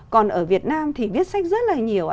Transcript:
còn ở việt nam thì viết sách rất là nhiều